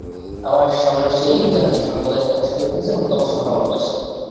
আমরা সন্ন্যাসীর জাতি, সর্বদাই তপস্যা করিতেছি এবং তপস্যা আমরা ভালবাসি।